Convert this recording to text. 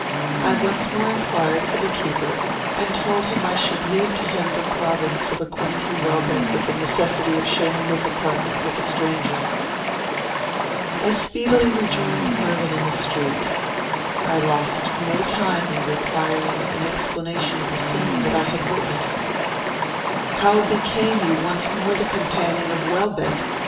I once more inquired for the keeper, and told him I should leave to him the province of acquainting Welbeck with the necessity of sharing his apartment with a stranger. I speedily rejoined Mervyn in the street. I lost no time in requiring an explanation of the scene that I had witnessed. "How became you once more the companion of Welbeck?